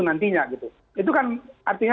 nantinya itu kan artinya